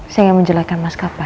saya yang menjelakkan mas kapai